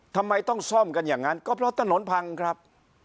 ทำไมต้องซ่อมกันอย่างนั้นก็เพราะถนนพังครับ